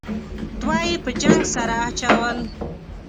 دوه یې په جنگ سره اچول.